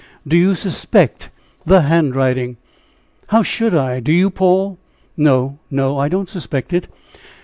Do you suspect the handwriting?" "How should I? Do you, Paul?" "No! no! I don't suspect it."